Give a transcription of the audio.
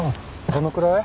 どのくらい？